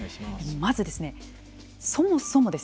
まず、そもそもです